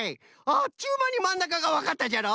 あっちゅうまにまんなかがわかったじゃろ？